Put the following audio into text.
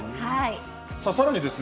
さらにですね